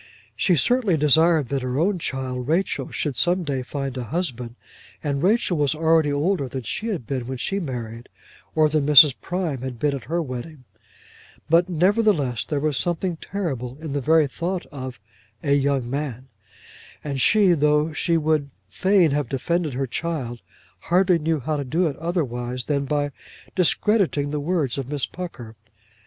She certainly desired that her own child Rachel should some day find a husband, and Rachel was already older than she had been when she married, or than Mrs. Prime had been at her wedding; but, nevertheless, there was something terrible in the very thought of a young man; and she, though she would fain have defended her child, hardly knew how to do so otherwise than by discrediting the words of Miss Pucker.